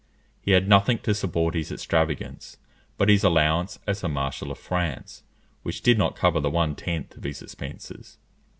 He had nothing to support his extravagance but his allowance as a marshal of France, which did not cover the one tenth of his expenses.